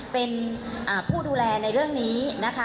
เป็นผู้ดูแลในเรื่องนี้นะคะ